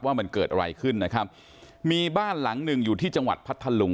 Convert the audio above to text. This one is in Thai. ว่ามันเกิดอะไรขึ้นนะครับมีบ้านหลังหนึ่งอยู่ที่จังหวัดพัทธลุง